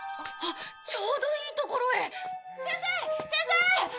あっちょうどいいところへ！